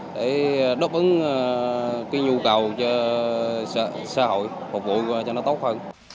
để đáp ứng cái nhu cầu cho xã hội phục vụ cho nó tốt hơn